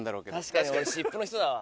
確かに俺湿布の人だわ。